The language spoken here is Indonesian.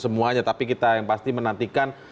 semuanya tapi kita yang pasti menantikan